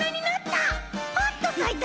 パッとさいたよ！